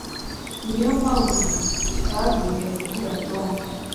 Niyo mpamvu tutagiye kubwira Tom.